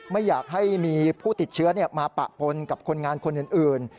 ไม่อยากให้มีผู้ติดเชื้อมาปะปนกับคนงานคนอื่น